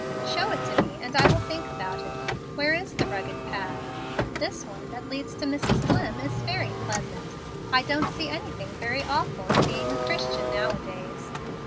Show it to me, and I will think about it. Where is the rugged path? This one that leads to Mrs. Dlimm is very pleasant. I don't see anything very awful in being a Christian nowadays.